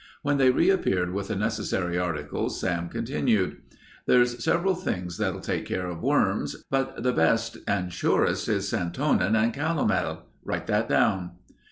When they reappeared with the necessary articles, Sam continued: "There's several things that'll take care of worms, but the best and surest is santonin and calomel. Write that down."